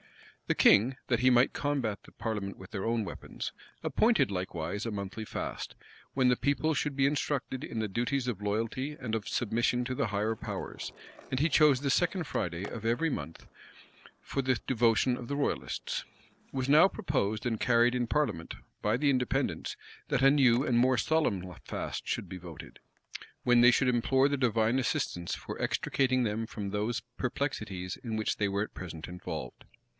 The king, that he might combat the parliament with their own weapons, appointed likewise a monthly fast, when the people should be instructed in the duties of loyalty, and of submission to the higher powers; and he chose the second Friday of every month for the devotion of the royalists.[] It was now proposed and carried in parliament, by the Independents, that a new and more solemn fast should be voted; when they should implore the divine assistance for extricating them from those perplexities in which they were at present involved.